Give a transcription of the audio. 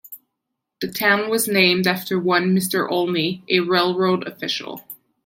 The town was named after one Mr. Olney, a railroad official.